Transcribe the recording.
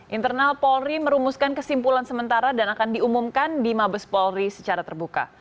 internal polri merumuskan kesimpulan sementara dan akan diumumkan di mabes polri secara terbuka